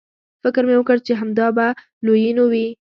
فکر مې وکړ چې همدا به لویینو وي.